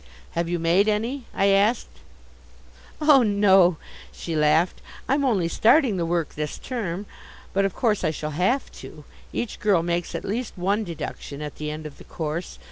"Have you made any?" I asked. "Oh, no" she laughed "I'm only starting the work this term. But, of course, I shall have to. Each girl makes at least one deduction at the end of the course.